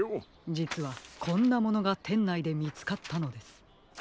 じつはこんなものがてんないでみつかったのです。